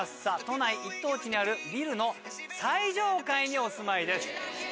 都内一等地にあるビルの最上階にお住まいです。